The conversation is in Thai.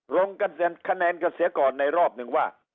คะแนนกันเสียก่อนในรอบนึงว่า